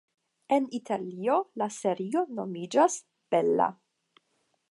En Italio la serio nomiĝas "Bela".